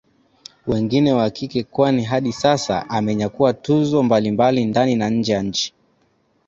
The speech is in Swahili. wengine wa kike kwani hadi sasa amenyakua tuzo mbalimbali ndani na nje ya nchi